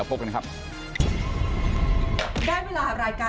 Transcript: เขามาแล้วค่ะไปค่ะ